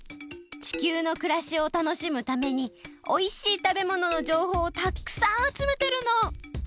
地球のくらしを楽しむためにおいしいたべもののじょうほうをたくさんあつめてるの！